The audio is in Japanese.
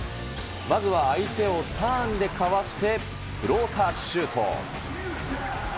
まずは相手をターンでかわして、フローターシュート。